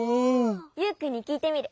ユウくんにきいてみる！